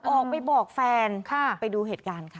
ออกไปบอกแฟนไปดูเหตุการณ์ค่ะ